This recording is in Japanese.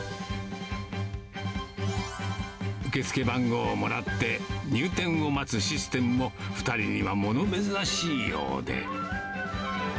受け付け番号をもらって、入店を待つシステムも、２人には物珍しいようで。